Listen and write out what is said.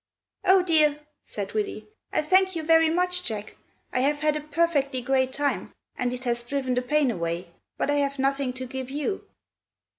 "Oh, dear!" said Willy. "I thank you very much, Jack. I have had a perfectly great time, and it has driven the pain away; but I have nothing to give you."